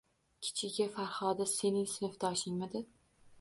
Kichigi, Farhodi sening sinfdoshingmidi